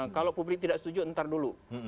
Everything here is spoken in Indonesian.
kalau publik tidak setuju ntar dulu